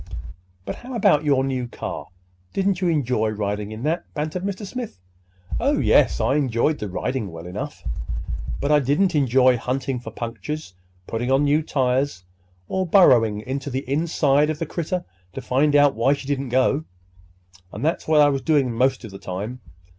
"But how about your new car? Didn't you enjoy riding in that?" bantered Mr. Smith. "Oh, yes, I enjoyed the riding well enough; but I didn't enjoy hunting for punctures, putting on new tires, or burrowing into the inside of the critter to find out why she didn't go! And that's what I was doing most of the time.